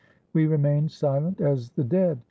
We remained silent as the dead.